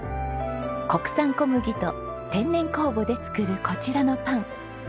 国産小麦と天然酵母で作るこちらのパン。